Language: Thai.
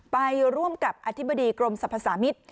ไปร่วมกับอธิบดีกรมสรรพสามิตร